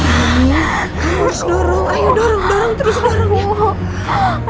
sebab saudara saya